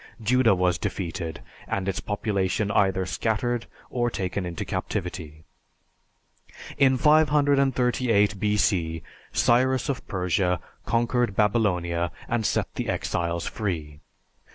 Judah was defeated and its population either scattered or taken into captivity. In 538 B.C., Cyrus of Persia conquered Babylonia and set the exiles free.